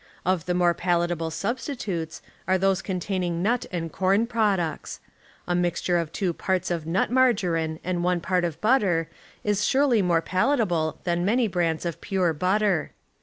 Of the more palatable substitutes are those containing nut and corn products ; a mixture of two parts of nut margarine and one part of butter is surely more palatable than many brands of pure but ter.